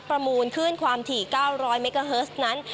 ประมูลขึ้นความถี่๙๐๐เมกาเฮิร์สนั้น